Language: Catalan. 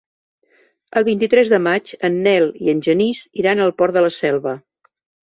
El vint-i-tres de maig en Nel i en Genís iran al Port de la Selva.